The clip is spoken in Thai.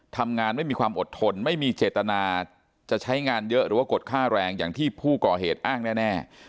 ไม่มีความอดทนไม่มีเจตนาจะใช้งานเยอะหรือว่ากดค่าแรงอย่างที่ผู้ก่อเหตุอ้างแน่